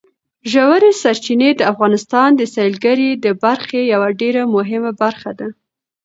ژورې سرچینې د افغانستان د سیلګرۍ د برخې یوه ډېره مهمه برخه ده.